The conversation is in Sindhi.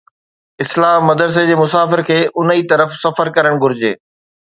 اصلاح مدرسي جي مسافر کي ان ئي طرف سفر ڪرڻ گهرجي.